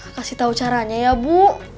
kasih tahu caranya ya bu